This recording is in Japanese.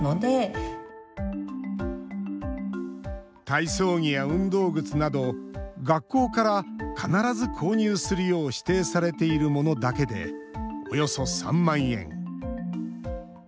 体操着や運動靴など学校から必ず購入するよう指定されているものだけでおよそ３万円。